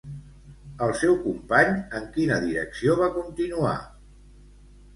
El seu company en quina direcció va continuar?